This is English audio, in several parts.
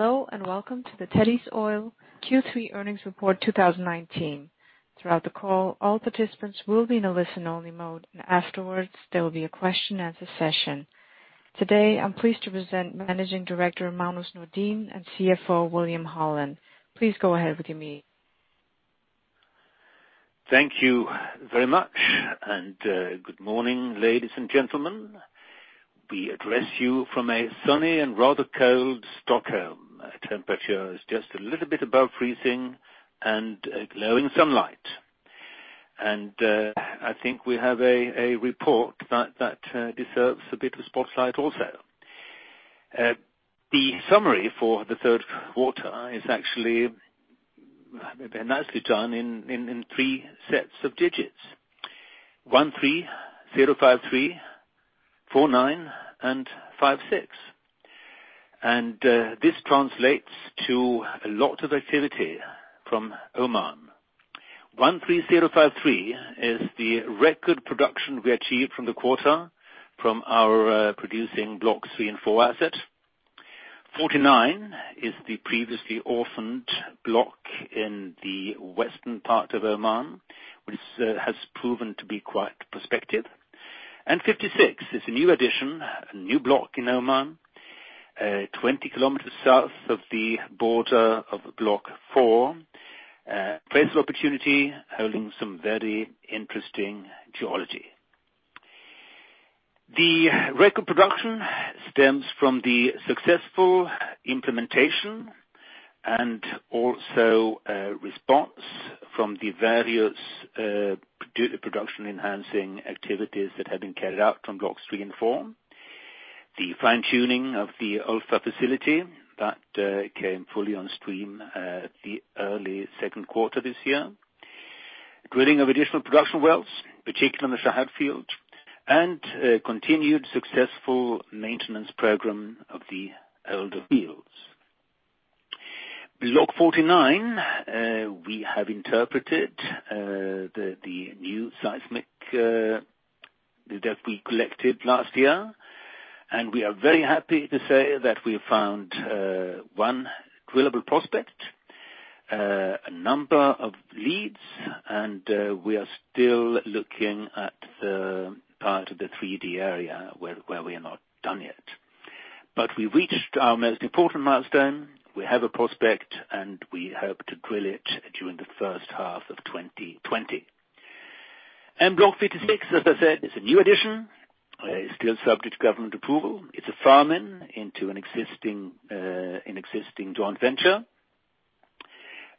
Hello, welcome to the Tethys Oil Q3 earnings report 2019. Throughout the call, all participants will be in a listen-only mode. Afterwards, there will be a question and answer session. Today, I'm pleased to present Managing Director, Magnus Nordin, and CFO, William Holland. Please go ahead with your meeting. Thank you very much, good morning, ladies and gentlemen. We address you from a sunny and rather cold Stockholm. Temperature is just a little bit above freezing and glowing sunlight. I think we have a report that deserves a bit of spotlight also. The summary for the third quarter is actually nicely done in three sets of digits, 13,053, 49, and 56. This translates to a lot of activity from Oman. 13,053 is the record production we achieved from the quarter from our producing Block 3 and 4 asset. 49 is the previously orphaned block in the western part of Oman, which has proven to be quite prospective. 56 is a new addition, a new block in Oman, 20 km south of the border of Block 4. Appraisal opportunity, holding some very interesting geology. The record production stems from the successful implementation and also a response from the various production-enhancing activities that have been carried out from Blocks 3 and 4, the fine-tuning of the Ulfa facility that came fully on stream the early second quarter this year, drilling of additional production wells, particularly on the Shahad field, and a continued successful maintenance program of the older fields. Block 49, we have interpreted the new seismic that we collected last year, and we are very happy to say that we found one drillable prospect, a number of leads, and we are still looking at the part of the 3D area where we are not done yet. We reached our most important milestone. We have a prospect, and we hope to drill it during the first half of 2020. Block 56, as I said, is a new addition. It's still subject to government approval. It's a farm-in into an existing joint venture.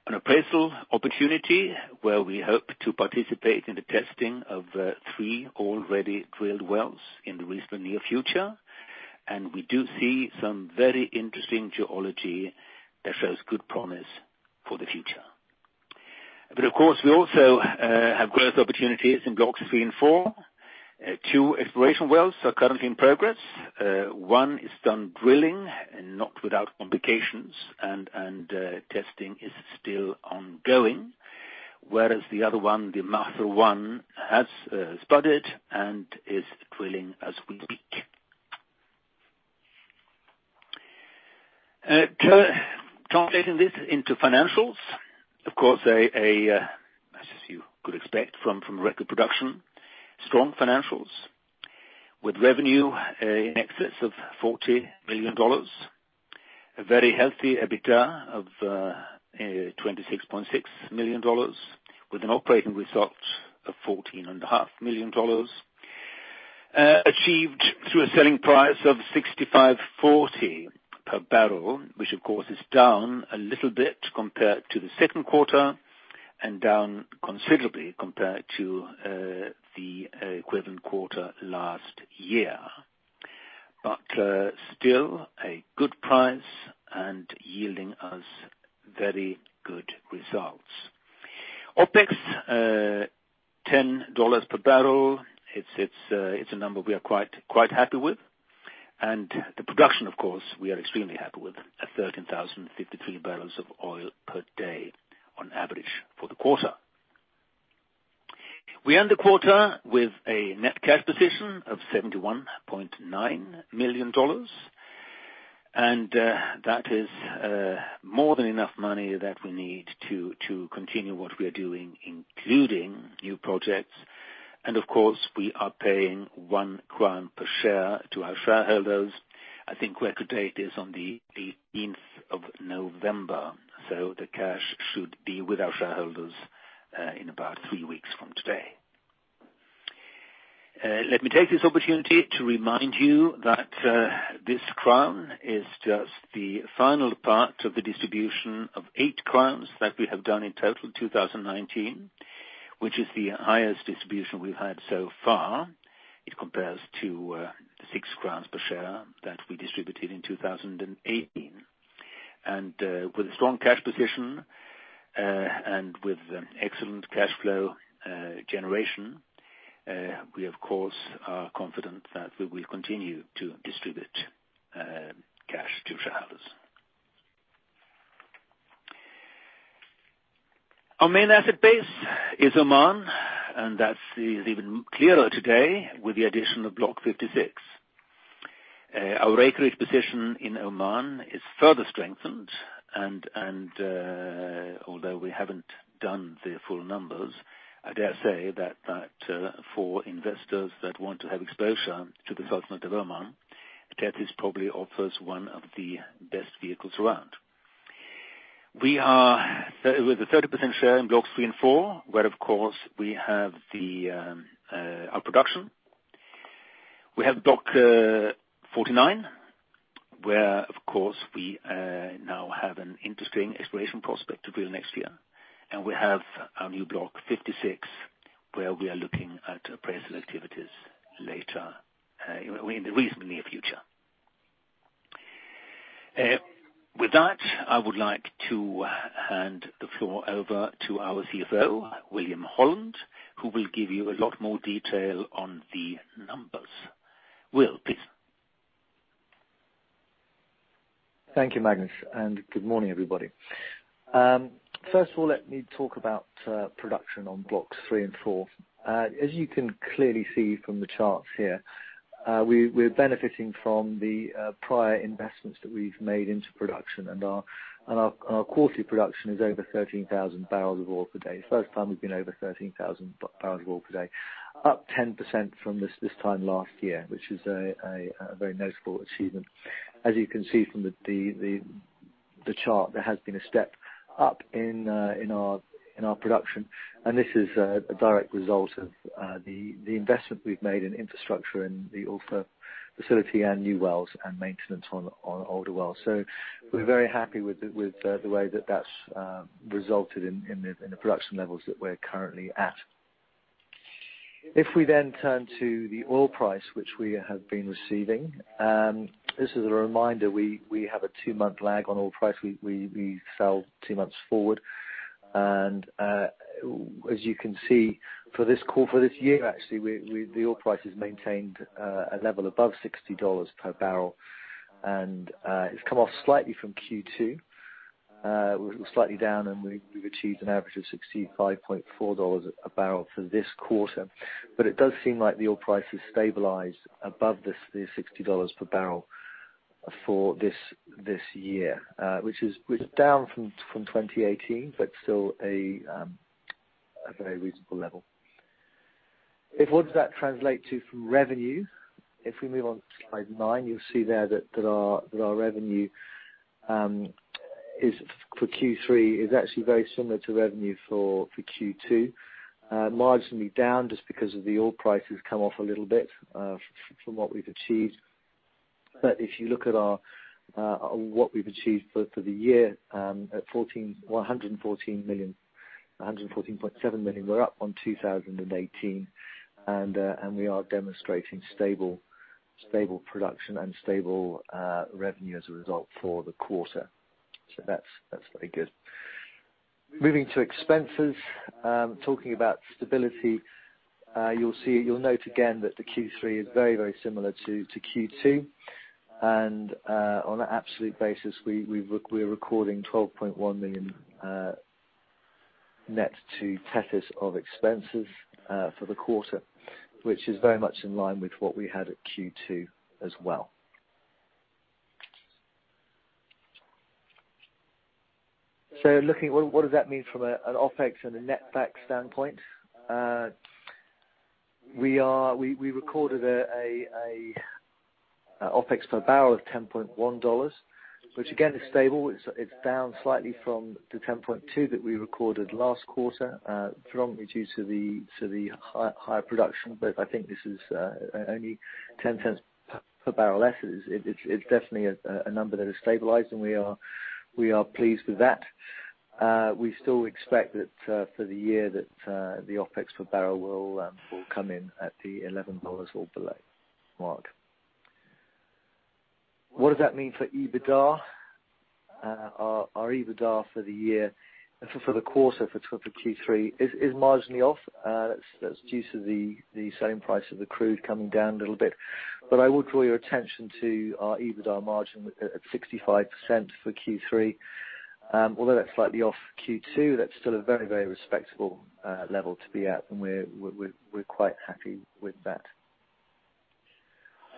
An appraisal opportunity where we hope to participate in the testing of three already drilled wells in the recent near future, and we do see some very interesting geology that shows good promise for the future. Of course, we also have growth opportunities in Blocks 3 and 4. Two exploration wells are currently in progress. One is done drilling and not without complications, and testing is still ongoing, whereas the other one, the Mahfad-1, has spudded and is drilling as we speak. Translating this into financials, of course, as you could expect from record production, strong financials with revenue in excess of $40 million. A very healthy EBITDA of $26.6 million with an operating result of $14.5 million, achieved through a selling price of $65.40 per barrel, which of course, is down a little bit compared to the second quarter and down considerably compared to the equivalent quarter last year. Still a good price and yielding us very good results. OpEx, $10 per barrel. It's a number we are quite happy with. The production, of course, we are extremely happy with, at 13,053 barrels of oil per day on average for the quarter. We end the quarter with a net cash position of $71.9 million. That is more than enough money that we need to continue what we are doing, including new projects, and of course, we are paying 1 crown per share to our shareholders. I think record date is on the 18th of November, so the cash should be with our shareholders in about three weeks from today. Let me take this opportunity to remind you that this SEK 1 is just the final part of the distribution of 8 crowns that we have done in total in 2019, which is the highest distribution we've had so far. It compares to 6 crowns per share that we distributed in 2018. With a strong cash position, and with excellent cash flow generation, we of course, are confident that we will continue to distribute cash to shareholders. Our main asset base is Oman, and that is even clearer today with the addition of Block 56. Our acreage position in Oman is further strengthened, although we haven't done the full numbers, I dare say that for investors that want to have exposure to the Sultanate of Oman, Tethys probably offers one of the best vehicles around. We are with a 30% share in Blocks 3 and 4, where, of course, we have our production. We have Block 49, where, of course, we now have an interesting exploration prospect to drill next year, and we have our new Block 56 where we are looking at appraisal activities later in the reasonably near future. With that, I would like to hand the floor over to our CFO, William Holland, who will give you a lot more detail on the numbers. Will, please. Thank you, Magnus, and good morning, everybody. First of all, let me talk about production on Blocks 3 and 4. As you can clearly see from the charts here, we're benefiting from the prior investments that we've made into production, and our quarterly production is over 13,000 barrels of oil per day. First time we've been over 13,000 barrels of oil per day. Up 10% from this time last year, which is a very notable achievement. As you can see from the chart, there has been a step up in our production, and this is a direct result of the investment we've made in infrastructure in the Ulfa facility and new wells and maintenance on our older wells. We're very happy with the way that that's resulted in the production levels that we're currently at. If we turn to the oil price, which we have been receiving, this is a reminder, we have a two-month lag on oil price. We sell two months forward. As you can see, for this year, actually, the oil price has maintained a level above $60 per barrel, and it's come off slightly from Q2. We're slightly down, and we've achieved an average of $65.4 dollars a barrel for this quarter. It does seem like the oil price has stabilized above the $60 per barrel for this year, which is down from 2018, but still a very reasonable level. What does that translate to for revenue? If we move on to slide nine, you'll see there that our revenue for Q3 is actually very similar to revenue for Q2, marginally down, just because of the oil price has come off a little bit from what we've achieved. If you look at what we've achieved for the year at $114.7 million, we're up on 2018, and we are demonstrating stable production and stable revenue as a result for the quarter. That's very good. Moving to expenses. Talking about stability, you'll note again that the Q3 is very similar to Q2. On an absolute basis, we're recording $12.1 million net to Tethys of expenses for the quarter, which is very much in line with what we had at Q2 as well. What does that mean from an OpEx and a netback standpoint? We recorded an OpEx per barrel of $10.1, which again, is stable. It's down slightly from the 10.2 that we recorded last quarter, predominantly due to the higher production, but I think this is only $0.10 per barrel less. It's definitely a number that has stabilized, and we are pleased with that. We still expect that for the year that the OpEx per barrel will come in at the $11 or below mark. What does that mean for EBITDA? Our EBITDA for the quarter for Q3 is marginally off. That's due to the same price of the crude coming down a little bit. I would draw your attention to our EBITDA margin at 65% for Q3. Although that's slightly off Q2, that's still a very respectable level to be at, and we're quite happy with that.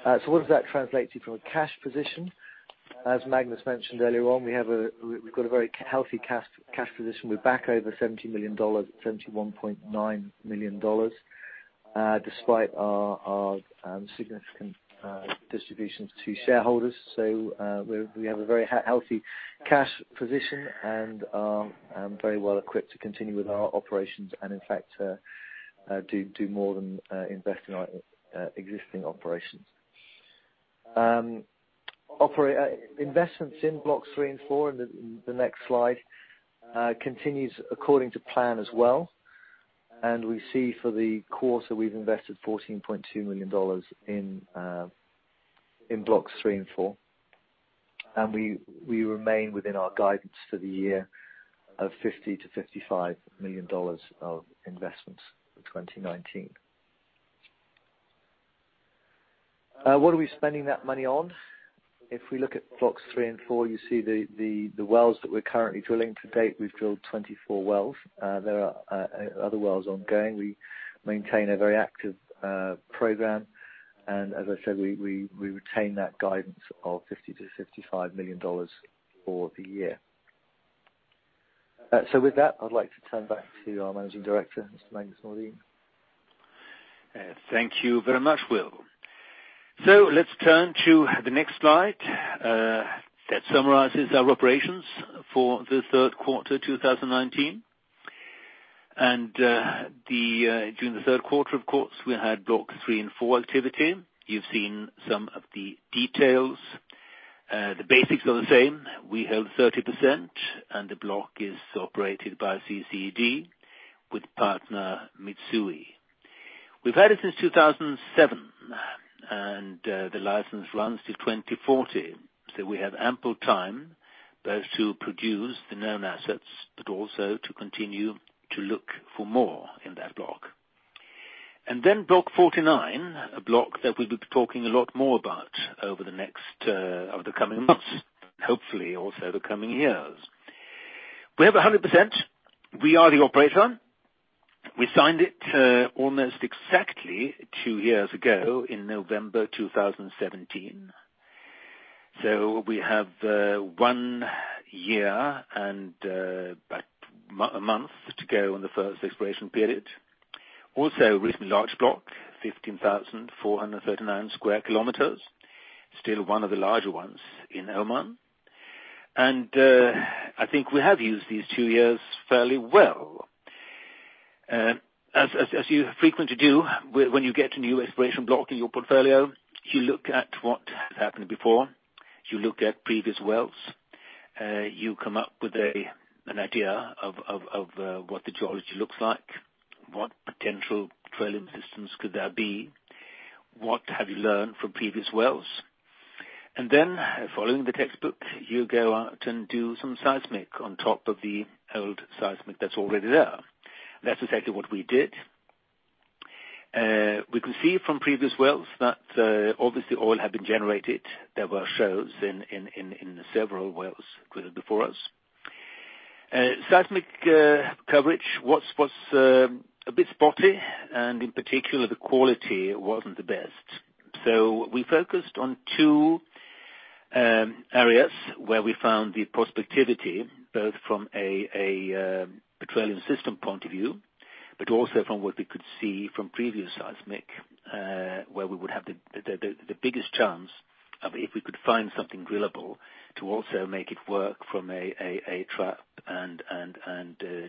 What does that translate to from a cash position? As Magnus mentioned earlier on, we've got a very healthy cash position. We're back over $70 million, $71.9 million, despite our significant distributions to shareholders. We have a very healthy cash position and are very well equipped to continue with our operations and, in fact, do more than invest in our existing operations. Investments in Blocks 3 and 4 in the next slide continues according to plan as well. We see for the quarter, we've invested $14.2 million in Blocks 3 and 4. We remain within our guidance for the year of $50 million-$55 million of investments for 2019. What are we spending that money on? If we look at Blocks 3 and 4, you see the wells that we're currently drilling. To date, we've drilled 24 wells. There are other wells ongoing. We maintain a very active program. As I said, we retain that guidance of $50 million-$55 million for the year. With that, I'd like to turn back to our Managing Director, Mr. Magnus Nordin. Thank you very much, Will. Let's turn to the next slide, that summarizes our operations for the third quarter 2019. During the third quarter, of course, we had Block 3 and 4 activity. You've seen some of the details. The basics are the same. We held 30%, and the block is operated by CCED with partner Mitsui. We've had it since 2007, and the license runs till 2040. We have ample time both to produce the known assets, but also to continue to look for more in that block. Then Block 49, a block that we'll be talking a lot more about over the coming months, hopefully also the coming years. We have 100%. We are the operator. We signed it almost exactly 2 years ago in November 2017. We have 1 year and about 1 month to go on the first exploration period. Reasonably large block, 15,439 square kilometers. Still one of the larger ones in Oman. I think we have used these two years fairly well. As you frequently do, when you get a new exploration block in your portfolio, you look at what has happened before. You look at previous wells. You come up with an idea of what the geology looks like, what potential petroleum systems could there be. What have you learned from previous wells? Then following the textbook, you go out and do some seismic on top of the old seismic that's already there. That's exactly what we did. We could see from previous wells that, obviously oil had been generated. There were shows in several wells drilled before us. Seismic coverage was a bit spotty, and in particular, the quality wasn't the best. We focused on two areas where we found the prospectivity, both from a petroleum system point of view, but also from what we could see from previous seismic, where we would have the biggest chance of if we could find something drillable to also make it work from a trap and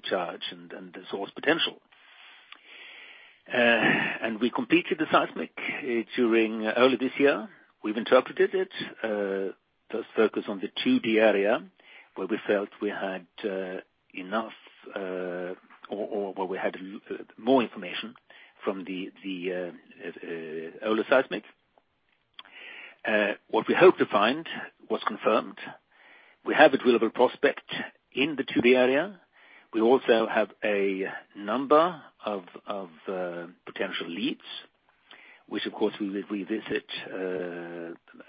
charge and the source potential. We completed the seismic during early this year. We've interpreted it, just focus on the 2D area where we felt we had enough or where we had more information from the older seismic. What we hoped to find was confirmed. We have a drillable prospect in the 2D area. We also have a number of potential leads, which of course, we'll revisit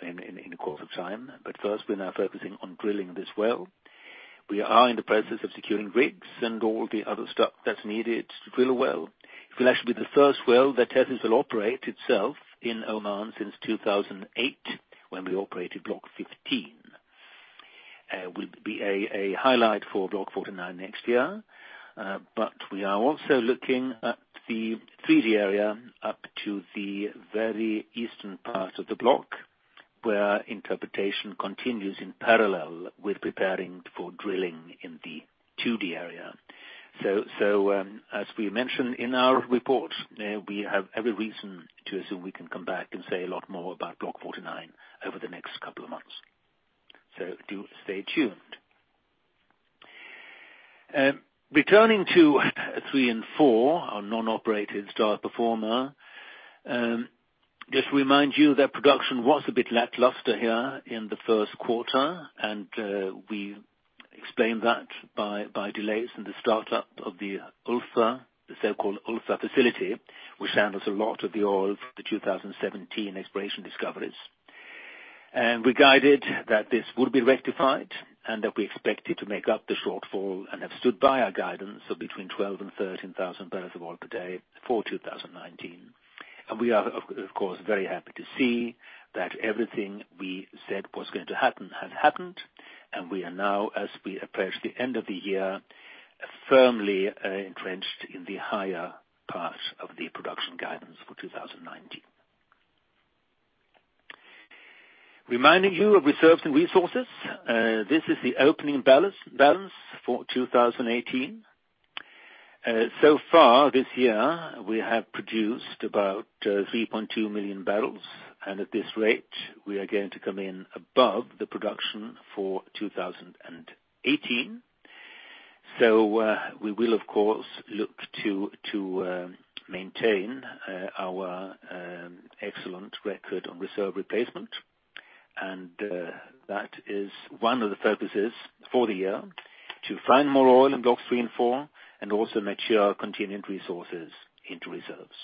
in the course of time. First, we're now focusing on drilling this well. We are in the process of securing rigs and all the other stuff that's needed to drill a well. It'll actually be the first well that Tethys will operate itself in Oman since 2008, when we operated block 15. It will be a highlight for block 49 next year. We are also looking at the 3D area up to the very eastern part of the block, where interpretation continues in parallel with preparing for drilling in the 2D area. As we mentioned in our report, we have every reason to assume we can come back and say a lot more about block 49 over the next couple of months. Do stay tuned. Returning to three and four, our non-operated star performer. Just to remind you that production was a bit lackluster here in the first quarter. We explained that by delays in the startup of the so-called Ulfa facility, which handles a lot of the oil for the 2017 exploration discoveries. We guided that this would be rectified and that we expected to make up the shortfall and have stood by our guidance of between 12,000 and 13,000 barrels of oil per day for 2019. We are, of course, very happy to see that everything we said was going to happen has happened, and we are now, as we approach the end of the year, firmly entrenched in the higher part of the production guidance for 2019. Reminding you of reserves and resources. This is the opening balance for 2018. Far this year, we have produced about 3.2 million barrels, and at this rate, we are going to come in above the production for 2018. We will, of course, look to maintain our excellent record on reserve replacement. That is one of the focuses for the year, to find more oil in Blocks 3 and 4, and also mature contingent resources into reserves.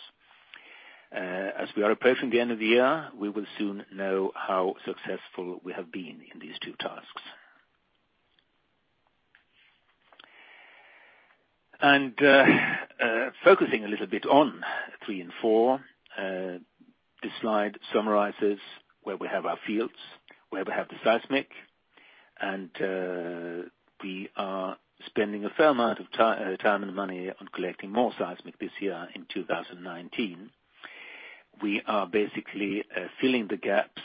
As we are approaching the end of the year, we will soon know how successful we have been in these two tasks. Focusing a little bit on Blocks 3 and 4, this slide summarizes where we have our fields, where we have the seismic, and we are spending a fair amount of time and money on collecting more seismic this year, in 2019. We are basically filling the gaps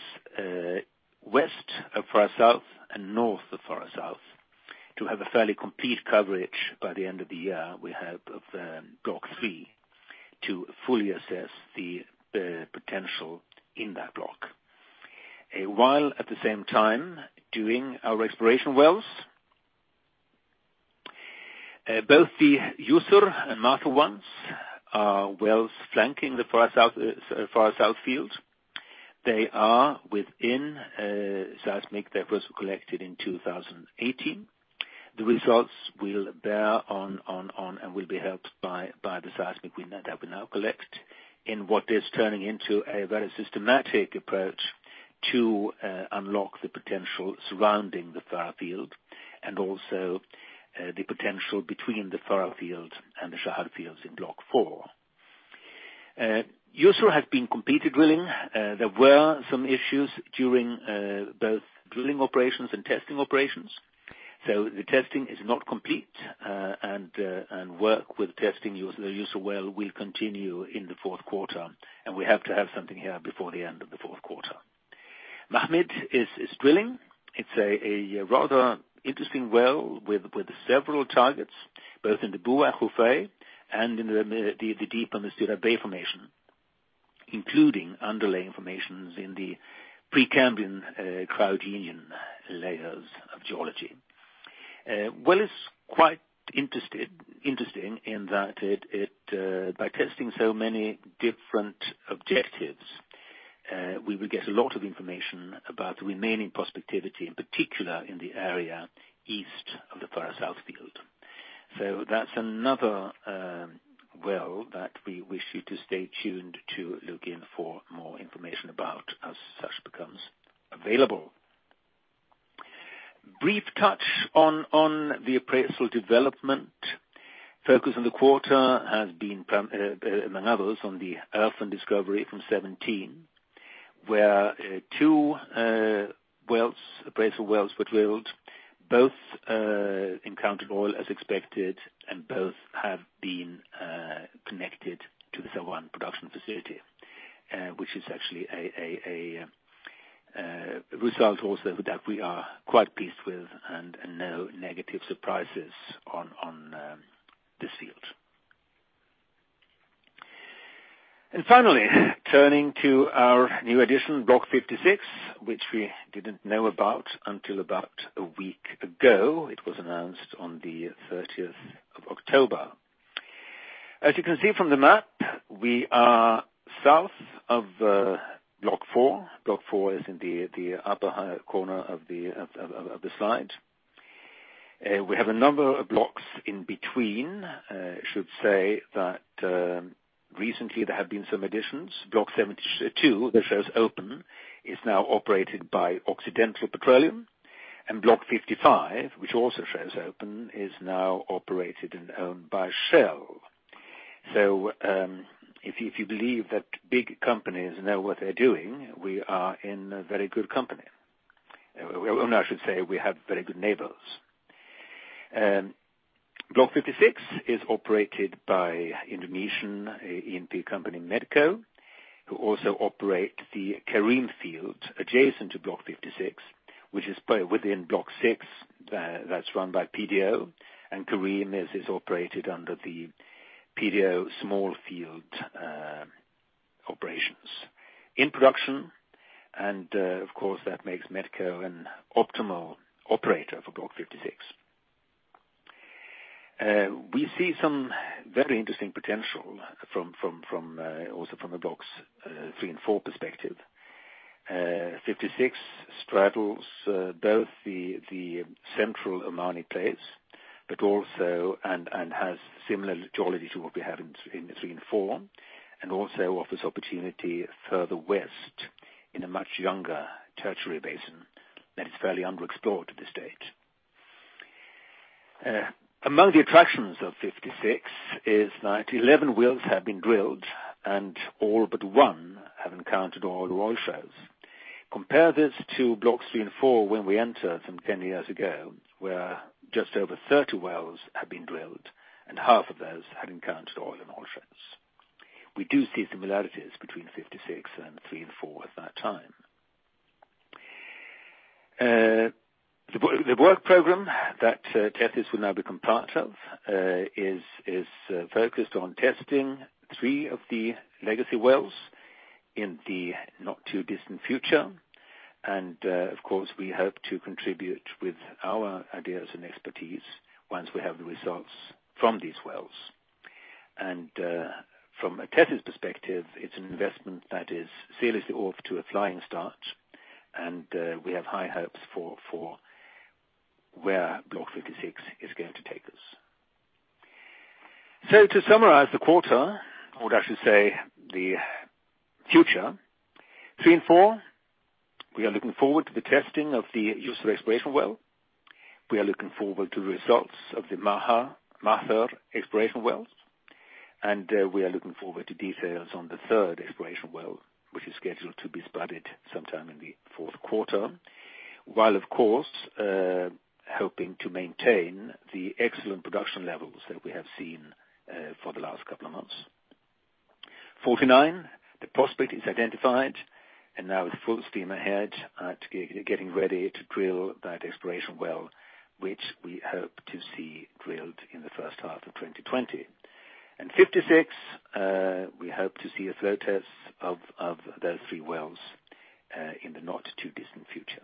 west of Farha South and north of Farha South to have a fairly complete coverage by the end of the year, we hope, of Block 3 to fully assess the potential in that block. While at the same time doing our exploration wells. Both the Yusr and Mahfad ones are wells flanking the Farha South field. They are within seismic that was collected in 2018. The results will bear on and will be helped by the seismic that we now collect in what is turning into a very systematic approach to unlock the potential surrounding the Farha field, and also the potential between the Farha field and the Shahad fields in Block 4. Yusr has been completed drilling. There were some issues during both drilling operations and testing operations. The testing is not complete, and work with testing the Yusr well will continue in the fourth quarter, and we have to have something here before the end of the fourth quarter. Mahfad is drilling. It's a rather interesting well with several targets, both in the Buah and Khufai and in the deeper Miqrat B formation, including underlying formations in the Precambrian Cryogenian layers of geology. It's quite interesting in that by testing so many different objectives, we would get a lot of information about the remaining prospectivity, in particular in the area east of the Farha South field. That's another well that we wish you to stay tuned to look in for more information about as such becomes available. Brief touch on the appraisal development. Focus on the quarter has been, among others, on the orphan discovery from 2017, where two appraisal wells were drilled, both encountered oil as expected, and both have been connected to the Thawrah production facility, which is actually a result also that we are quite pleased with and no negative surprises on this field. Finally, turning to our new addition, Block 56, which we didn't know about until about a week ago. It was announced on the 30th of October. As you can see from the map, we are south of Block 4. Block 4 is in the upper higher corner of the slide. We have a number of blocks in between. I should say that recently there have been some additions. Block 72, that shows open, is now operated by Occidental Petroleum, and Block 55, which also shows open, is now operated and owned by Shell. If you believe that big companies know what they're doing, we are in a very good company. I should say, we have very good neighbors. Block 56 is operated by Indonesian E&P company Medco, who also operate the Karim field adjacent to Block 56, which is within Block 6, that's run by PDO, and Karim is operated under the PDO small field operations in production. Of course, that makes Medco an optimal operator for Block 56. We see some very interesting potential also from a Blocks 3 and 4 perspective. 56 straddles both the Central Oman Platform and has similar geology to what we have in 3 and 4, and also offers opportunity further west in a much younger tertiary basin that is fairly underexplored to this date. Among the attractions of 56 is that 11 wells have been drilled, and all but one have encountered oil or oil shows. Compare this to Blocks 3 and 4 when we entered some 10 years ago, where just over 30 wells had been drilled and half of those had encountered oil and oil shows. We do see similarities between 56 and 3 and 4 at that time. The work program that Tethys will now become part of is focused on testing three of the legacy wells in the not-too-distant future. Of course, we hope to contribute with our ideas and expertise once we have the results from these wells. From a Tethys perspective, it's an investment that is seriously off to a flying start, and we have high hopes for where Block 56 is going to take us. To summarize the quarter, or I should say the future, Blocks 3 and 4, we are looking forward to the testing of the Yusr exploration well. We are looking forward to results of the Mahfad exploration wells, and we are looking forward to details on the third exploration well, which is scheduled to be spudded sometime in the fourth quarter. While of course, hoping to maintain the excellent production levels that we have seen for the last couple of months. Block 49, the prospect is identified, and now with full steam ahead to getting ready to drill that exploration well, which we hope to see drilled in the first half of 2020. Block 56, we hope to see a flow test of those three wells, in the not too distant future.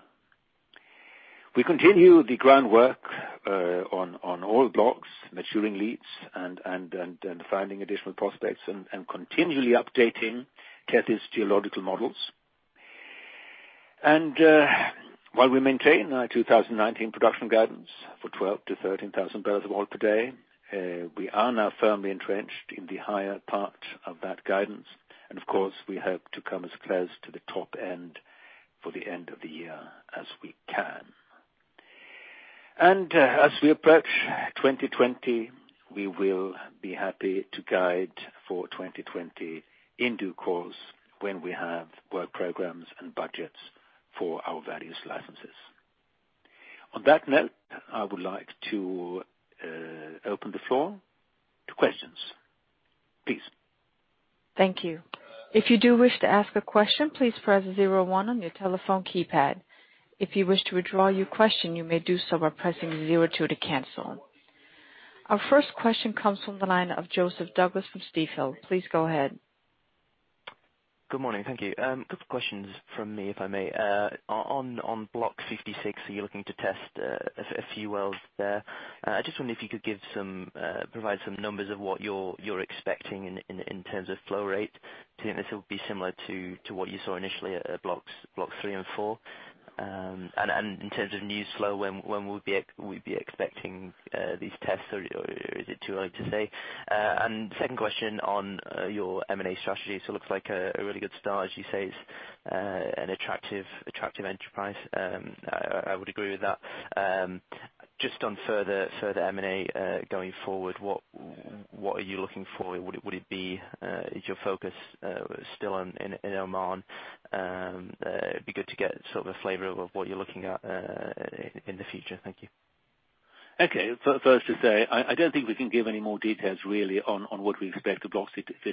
We continue the groundwork on all blocks, maturing leads and finding additional prospects and continually updating Tethys geological models. While we maintain our 2019 production guidance for 12,000 to 13,000 barrels of oil per day, we are now firmly entrenched in the higher part of that guidance. Of course, we hope to come as close to the top end for the end of the year as we can. As we approach 2020, we will be happy to guide for 2020 in due course when we have work programs and budgets for our various licenses. On that note, I would like to open the floor to questions. Please. Thank you. If you do wish to ask a question, please press zero one on your telephone keypad. If you wish to withdraw your question, you may do so by pressing zero two to cancel. Our first question comes from the line of Joseph Douglas from Stifel. Please go ahead. Good morning. Thank you. Couple questions from me, if I may. On Block 56, are you looking to test a few wells there? I just wonder if you could provide some numbers of what you're expecting in terms of flow rate. Do you think this will be similar to what you saw initially at Blocks 3 and 4? In terms of news flow, when would we be expecting these tests, or is it too early to say? Second question on your M&A strategy. Looks like a really good start, as you say, it's an attractive enterprise. I would agree with that. Just on further M&A, going forward, what are you looking for? Is your focus still in Oman? It would be good to get a flavor of what you're looking at in the future. Thank you. First to say, I don't think we can give any more details really on what we expect of Block 56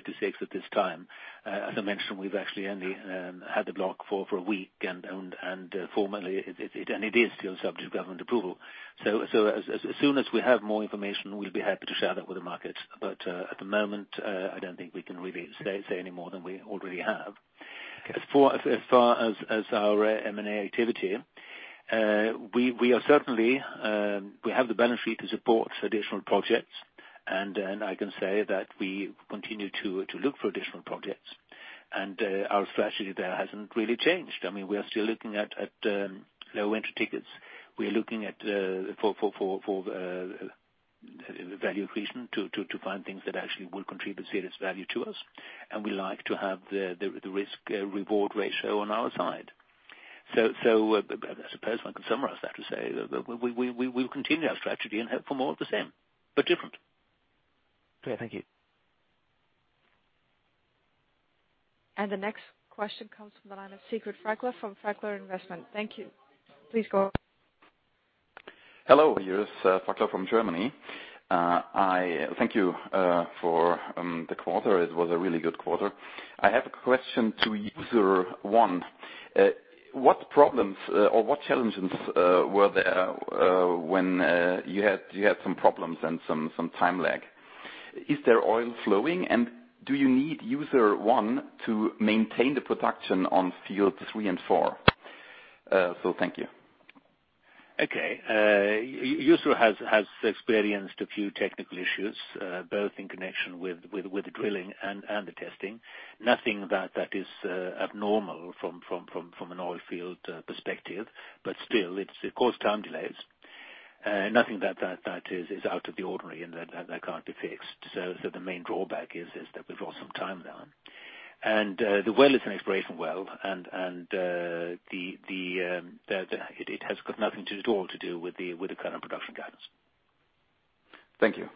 at this time. As I mentioned, we've actually only had the block for a week, and it is still subject to government approval. As soon as we have more information, we'll be happy to share that with the market. At the moment, I don't think we can really say any more than we already have. As far as our M&A activity, we have the balance sheet to support additional projects, and I can say that we continue to look for additional projects. Our strategy there hasn't really changed. I mean, we are still looking at low entry tickets. We are looking for value accretion, to find things that actually will contribute serious value to us, and we like to have the risk/reward ratio on our side. I suppose one could summarize that to say that we will continue our strategy and hope for more of the same, but different. Great, thank you. The next question comes from the line of Teodor Nilsen from SpareBank 1 Markets. Thank you. Please go on. Hello. Here is Freckler from Germany. Thank you for the quarter. It was a really good quarter. I have a question to Yusr 1. What problems or what challenges were there, when you had some problems and some time lag? Is there oil flowing, and do you need Yusr 1 to maintain the production on Blocks 3 and 4? Thank you. Yusr has experienced a few technical issues, both in connection with the drilling and the testing. Nothing that is abnormal from an oil field perspective, but still, it's caused time delays. Nothing that is out of the ordinary and that can't be fixed. The main drawback is that we've lost some time there. The well is an exploration well, and it has got nothing to do at all with the current production guidance. Thank you.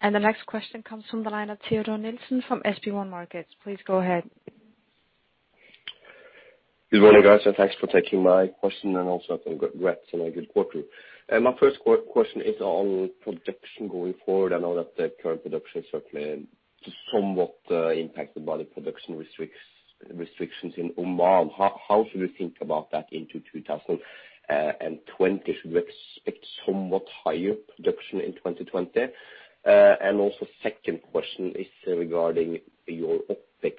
The next question comes from the line of Teodor Nilsen from SB1 Markets. Please go ahead. Good morning, guys, and thanks for taking my question, and also congrats on a good quarter. My first question is on production going forward. I know that the current production is certainly somewhat impacted by the production restrictions in Oman. How should we think about that into 2020? Should we expect somewhat higher production in 2020? Also second question is regarding your OpEx,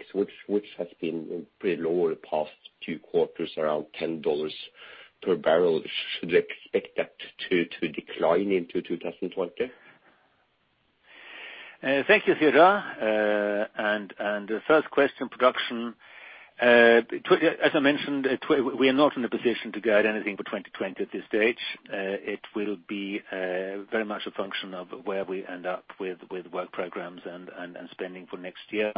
which has been pretty low the past two quarters, around $10 per barrel. Should I expect that to decline into 2020? Thank you, Teodor. The first question, production. As I mentioned, we are not in a position to guide anything for 2020 at this stage. It will be very much a function of where we end up with work programs and spending for next year.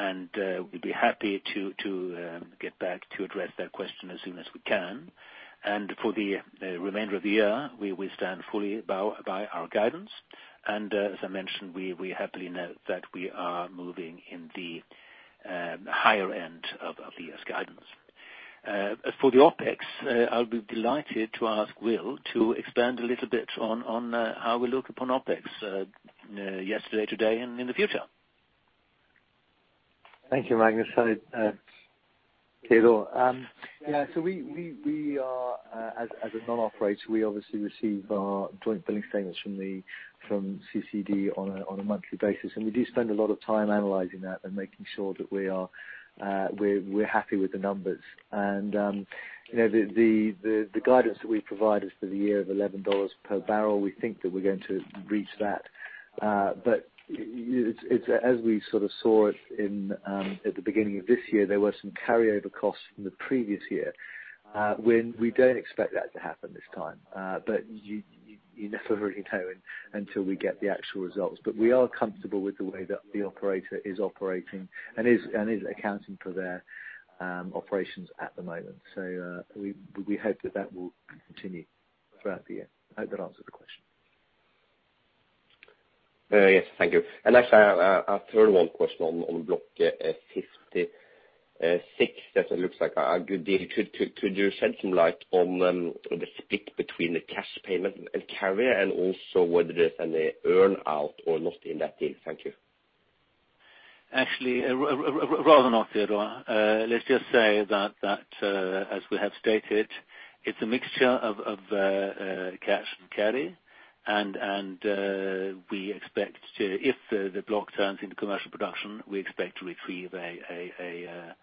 We'd be happy to get back to address that question as soon as we can. For the remainder of the year, we stand fully by our guidance. As I mentioned, we happily note that we are moving in the higher end of the year's guidance. For the OpEx, I would be delighted to ask Will to expand a little bit on how we look upon OpEx yesterday, today, and in the future. Thank you, Magnus. Hi, Teodor. As a non-operator, we obviously receive our joint billing statements from CCED on a monthly basis, and we do spend a lot of time analyzing that and making sure that we're happy with the numbers. The guidance that we provided for the year of $11 per barrel, we think that we're going to reach that. As we sort of saw it at the beginning of this year, there were some carryover costs from the previous year. We don't expect that to happen this time. You never really know until we get the actual results. We are comfortable with the way that the operator is operating and is accounting for their operations at the moment. We hope that that will continue throughout the year. I hope that answered the question. Yes. Thank you. Actually, a third one, question on Block 56. That looks like a good deal. Could you shed some light on the split between the cash payment and carry, and also whether there's any earn-out or not in that deal? Thank you. Actually, rather not, Teodor. Let's just say that as we have stated, it's a mixture of cash and carry, and if the block turns into commercial production, we expect to retrieve a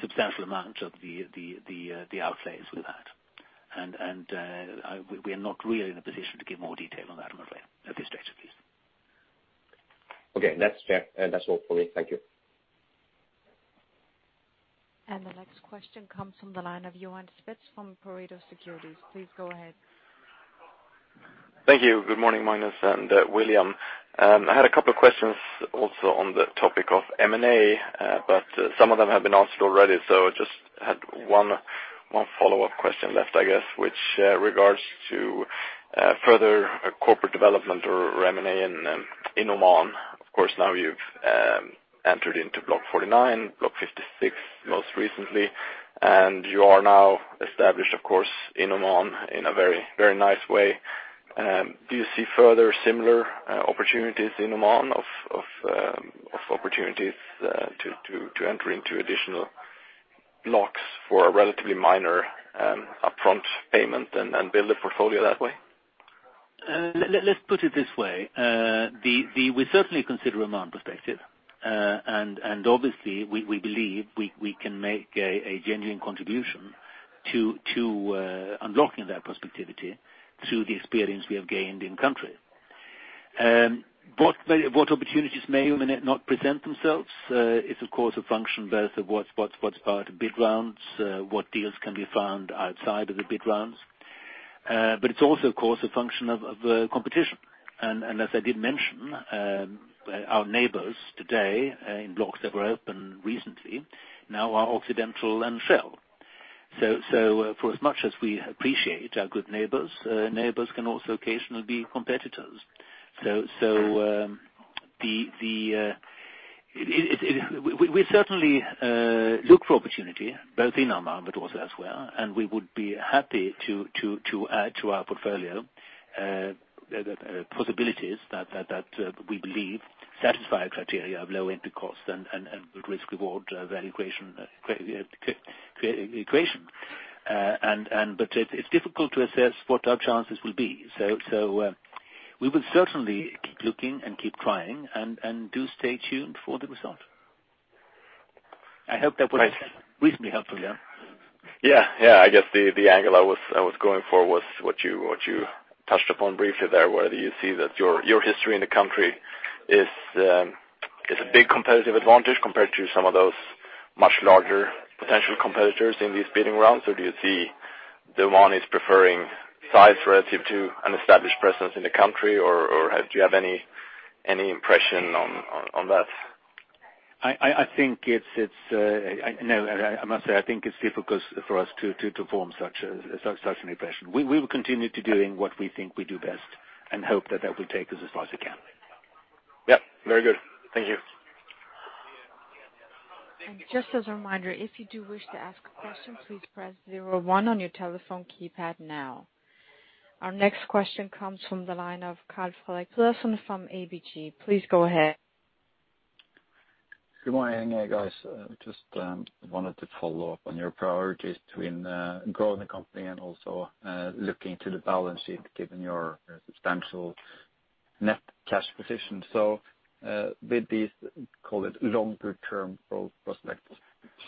substantial amount of the outlays with that. We are not really in a position to give more detail on that, I'm afraid, at this stage at least. Okay, that's fair. That's all for me. Thank you. The next question comes from the line of Johan Spetz from Pareto Securities. Please go ahead. Thank you. Good morning, Magnus and William. I had a couple of questions also on the topic of M&A. Some of them have been answered already. I just had one follow-up question left, I guess, which regards to further corporate development or M&A in Oman. Of course, now you've entered into Block 49, Block 56 most recently. You are now established, of course, in Oman in a very nice way. Do you see further similar opportunities in Oman of opportunities to enter into additional blocks for a relatively minor upfront payment and build a portfolio that way? Let's put it this way. We certainly consider Oman prospective. Obviously we believe we can make a genuine contribution to unlocking that prospectivity through the experience we have gained in country. What opportunities may or may not present themselves, it's of course, a function both of what's part of bid rounds, what deals can be found outside of the bid rounds. It's also, of course, a function of competition. As I did mention, our neighbors today in blocks that were open recently now are Occidental and Shell. For as much as we appreciate our good neighbors can also occasionally be competitors. We certainly look for opportunity both in Oman but also elsewhere, and we would be happy to add to our portfolio possibilities that we believe satisfy our criteria of low input costs and good risk/reward valuation equation. It's difficult to assess what our chances will be. We will certainly keep looking and keep trying and do stay tuned for the result. I hope that was reasonably helpful, yeah? Yeah. I guess the angle I was going for was what you touched upon briefly there, whether you see that your history in the country is a big competitive advantage compared to some of those much larger potential competitors in these bidding rounds. Do you see Oman is preferring size relative to an established presence in the country, or do you have any impression on that? I must say, I think it's difficult for us to form such an impression. We will continue to doing what we think we do best and hope that that will take us as far as it can. Yep. Very good. Thank you. Just as a reminder, if you do wish to ask a question, please press zero one on your telephone keypad now. Our next question comes from the line of Carl-Fredrik Persson from ABG. Please go ahead. Good morning, guys. Just wanted to follow up on your priorities between growing the company and also looking to the balance sheet, given your substantial net cash position. With these, call it longer term growth prospects,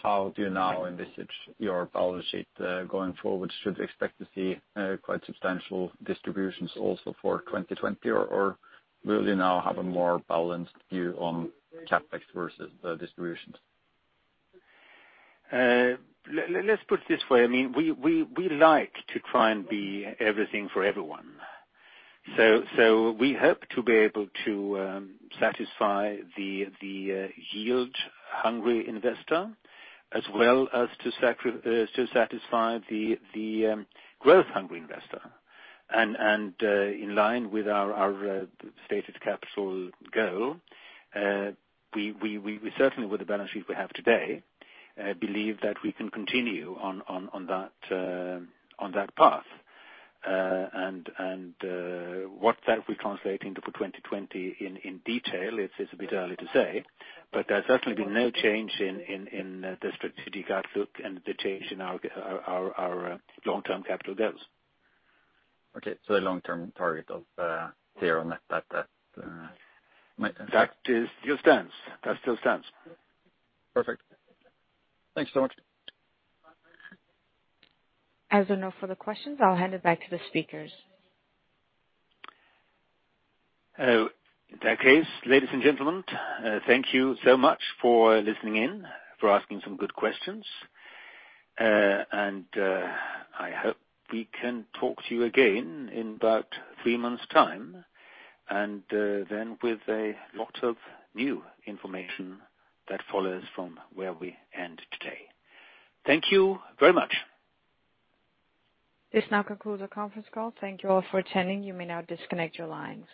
how do you now envisage your balance sheet going forward? Should we expect to see quite substantial distributions also for 2020, or will you now have a more balanced view on CapEx versus distributions? Let's put it this way. We like to try and be everything for everyone. We hope to be able to satisfy the yield-hungry investor as well as to satisfy the growth-hungry investor. In line with our stated capital goal, we certainly, with the balance sheet we have today, believe that we can continue on that path. What that will translate into for 2020 in detail, it's a bit early to say, but there's certainly been no change in the strategic outlook and the change in our long-term capital goals. Okay. The long-term target of zero net debt. That still stands. Perfect. Thanks so much. As of now for the questions, I'll hand it back to the speakers. In that case, ladies and gentlemen, thank you so much for listening in, for asking some good questions. I hope we can talk to you again in about three months' time, then with a lot of new information that follows from where we end today. Thank you very much. This now concludes our conference call. Thank you all for attending. You may now disconnect your lines.